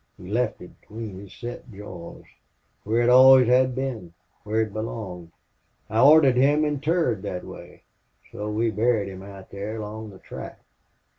We left it between his set jaws, where it always had been where it belonged.... I ordered him interred that way.... So they buried him out there along the track."